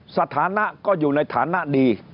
สถานะก็อยู่ในฐานะดี